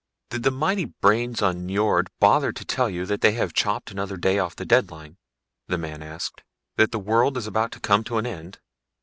"Did the mighty brains on Nyjord bother to tell you that they have chopped another day off the deadline?" the man asked. "That this world is about to come to an end?"